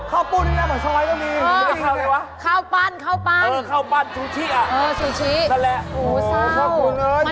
เออนั่นแหละตกเครื่อง